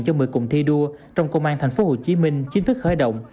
cho một mươi cùng thi đua trong công an tp hcm chính thức khởi động